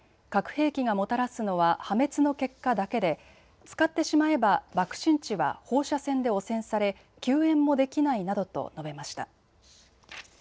核兵器がもたらすのは破滅の結果だけで、使ってしまえば爆心地は放射線で汚染され救援もできないなどと述べました。